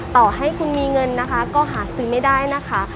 ต่อให้คุณมีเงินนะคะก็หาซื้อไม่ได้นะคะ